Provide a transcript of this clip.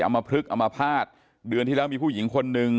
มพลึกอมภาษณ์เดือนที่แล้วมีผู้หญิงคนหนึ่ง